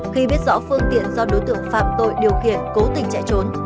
khi biết rõ phương tiện do đối tượng phạm tội điều khiển cố tình chạy trốn